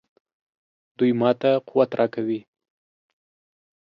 دوی ماته قوت راکوي.